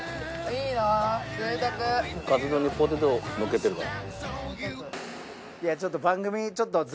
カツ丼にポテトのっけてるから。